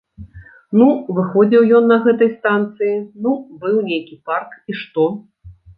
Ну, выходзіў ён на гэтай станцыі, ну, быў нейкі парк і што?